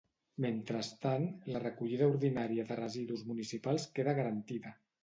Mentrestant, la recollida ordinària de residus municipals queda garantida.